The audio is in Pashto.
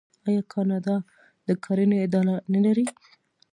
آیا کاناډا د کرنې اداره نلري؟